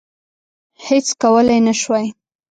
هیڅ کولای نه سوای.